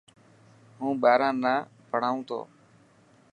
هون ٻاران نا پهڙائون ٿو.